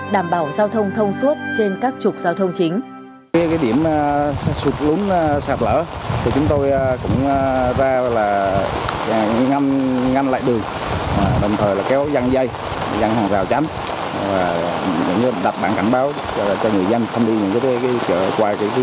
đảm bảo giao thông thông suốt trên các trục giao thông chính